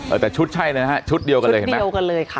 แต่ชุดใช่เลยนะฮะชุดเดียวกันเลยเห็นไหมเดียวกันเลยค่ะ